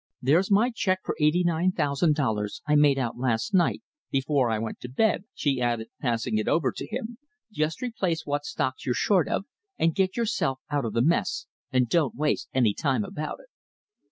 There's my cheque for eighty nine thousand dollars I made out last night before I went to bed," she added, passing it over to him. "Just replace what stocks you're short of and get yourself out of the mess, and don't waste any time about it."